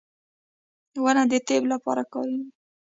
• ونه د طب لپاره کارېږي.